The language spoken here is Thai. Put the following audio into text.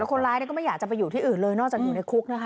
คนร้ายก็ไม่อยากจะไปอยู่ที่อื่นเลยนอกจากอยู่ในคุกนะคะ